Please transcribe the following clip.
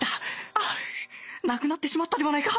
なくなってしまったではないか。